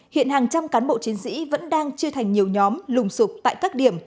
hiện hàng trăm cán bộ chiến sĩ vẫn đang chia thành nhiều nhóm lùng sụp tại các điểm